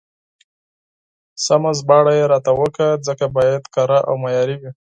سمه ژباړه يې راته وکړه، ځکه بايد کره او معياري وي.